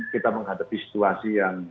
kita menghadapi situasi yang